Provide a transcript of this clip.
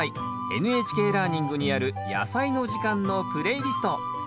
「ＮＨＫラーニング」にある「やさいの時間」のプレイリスト。